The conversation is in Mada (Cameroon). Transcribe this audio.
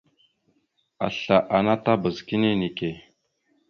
Asla ana tabaz kini neke.